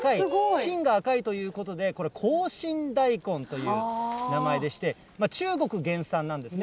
芯が赤いということで、これ、紅芯大根という名前でして、中国原産なんですね。